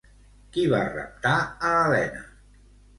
Qui va raptar a Helena?